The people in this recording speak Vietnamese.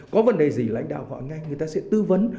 có vấn đề gì lãnh đạo gọi ngay người ta sẽ tư vấn